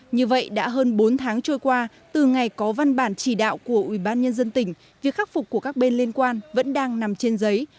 như vậy đã hơn bốn tháng trôi qua từ ngày có văn bản chỉ đạo của ủy ban nhân dân tỉnh việc khắc phục của các bên liên quan vẫn đang nằm trên giấy